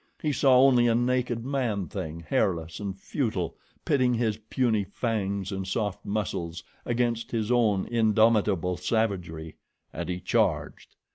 He saw only a naked man thing, hairless and futile, pitting his puny fangs and soft muscles against his own indomitable savagery, and he charged.